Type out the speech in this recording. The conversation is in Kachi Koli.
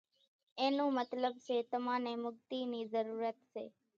اين نون مطلٻ سي تمان نين مڳتي نِي ضرورت سي